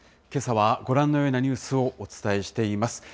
けさはご覧のようなニュースをお伝えしています。